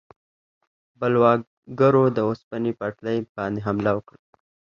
بلواګرو د اوسپنې پټلۍ باندې حمله وکړه.